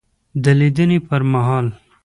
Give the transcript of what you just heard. دلیدني پر مهال